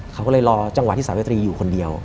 เขาก็เลยรอจังหวะที่สาวิตรีอยู่คนเดียว